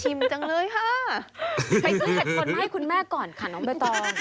ไปซื้อเห็ดโคนไหม้ให้คุณแม่ก่อนค่ะน้องแบตอล